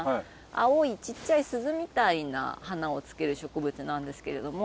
青い小っちゃい鈴みたいな花をつける植物なんですけれども。